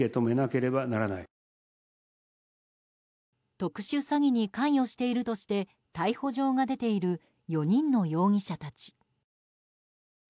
特殊詐欺に関与しているとして逮捕状が出ている４人の容疑者たち。